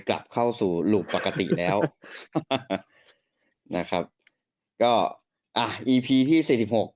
กลับเข้าสู่หลุมปกติแล้วนะครับก็อ่ะอีพีที่สี่สิบหก